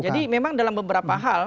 jadi memang dalam beberapa hal